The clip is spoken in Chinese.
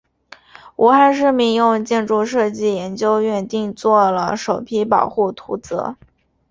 武汉市民用建筑设计研究院定做了首批保护图则。